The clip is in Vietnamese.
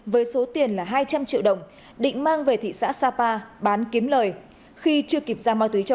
với số tiền là hai trăm linh triệu đồng định mang về thị xã sapa bán kiếm lời khi chưa kịp ra ma túy cho